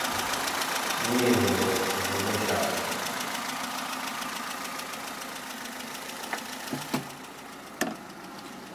Ні вже, дочко, вибачайте!